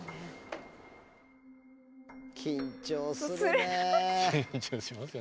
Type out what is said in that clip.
緊張するね。